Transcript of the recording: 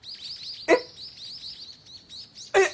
えっ！？えっ！